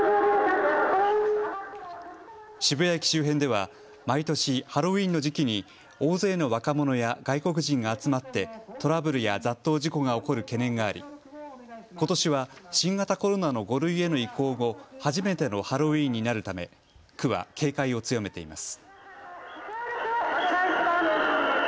渋谷駅周辺では毎年ハロウィーンの時期に大勢の若者や外国人が集まってトラブルや雑踏事故が起こる懸念がありことしは新型コロナの５類への移行後、初めてのハロウィーンになるため区は警戒を強めています。